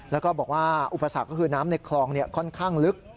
แล้วก็บอกว่าอุปสรรคก็คือน้ำในคลองค่อนข้างลึก